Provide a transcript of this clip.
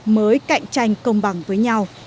mới cạnh tranh công bằng với nhau